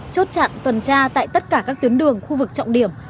chốt chặn tuần tra tại tất cả các tuyến đường khu vực trọng điểm